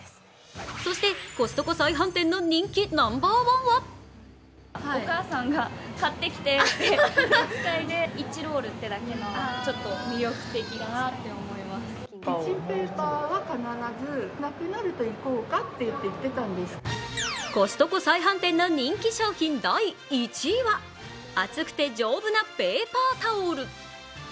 そして、コストコ再販店の人気ナンバーワンはコストコ再販店の人気商品第１位は厚くて丈夫なペーパータオル。